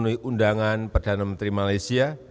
untuk menemui undangan perdana menteri malaysia